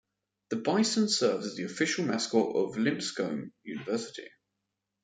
The Bison serves as the official mascot of Lipscomb University.